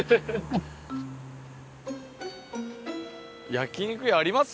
焼肉屋あります？